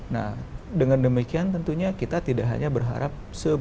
nah dengan demikian tentunya kita tidak hanya berharap